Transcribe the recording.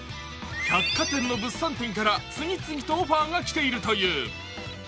百貨店の物産展から次々とオファーが来ているという。